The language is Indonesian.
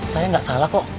saya nggak salah kok